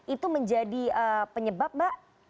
itu menjadi penyebab mbak